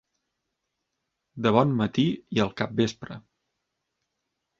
De bon matí i al capvespre.